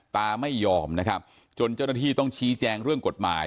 ตาไม่ยอมนะครับจนเจ้าหน้าที่ต้องชี้แจงเรื่องกฎหมาย